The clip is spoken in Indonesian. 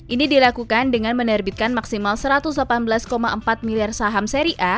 ini dilakukan dengan menerbitkan maksimal satu ratus delapan belas empat miliar saham seri a